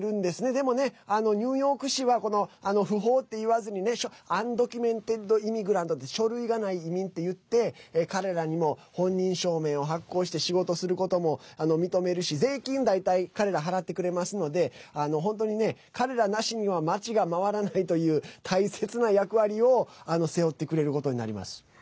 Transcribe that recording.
でもね、ニューヨーク市は不法っていわずにアンドキュメンテッドイミグラントって書類がない移民っていって彼らにも本人証明を発行して仕事することも認めるし税金、大体彼ら払ってくれますので本当にね、彼らなしには街が回らないという大切な役割を背負ってくれることになります。